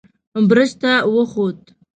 برج ته وخوت.